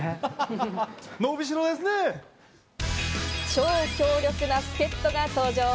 超強力な助っ人が登場。